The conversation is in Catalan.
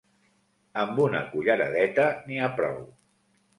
Amb una culleradeta n'hi ha prou.